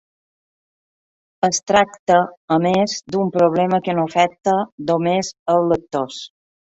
Es tracta, a més, d’un problema que no afecta només els lectors.